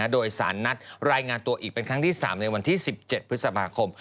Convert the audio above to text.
โดยสารนัดรายงานตัวอีกเป็นครั้งที่๓ในวันที่๑๗พฤษภาคม